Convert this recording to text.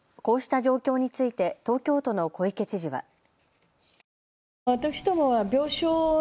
こうした状況について東京都の小池知事は。